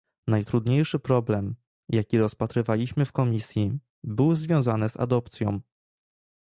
Najtrudniejszy problem, jaki rozpatrywaliśmy w komisji, był związany z adopcją